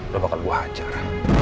lu bukan gua hajar